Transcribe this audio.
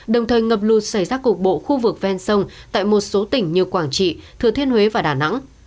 đồng thời ngập lụt xảy ra cục bộ khu vực ven sông tại một số tỉnh như quảng trị thừa thiên huế và đà nẵng